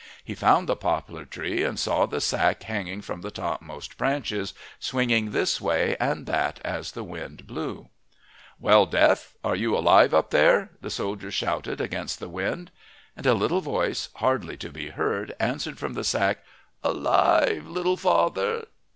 He found the poplar tree, and saw the sack hanging from the topmost branches, swinging this way and that as wind blew. "Well, Death, are you alive up there?" the soldier shouted against the wind. And a little voice, hardly to be heard, answered from the sack: "Alive, little father!"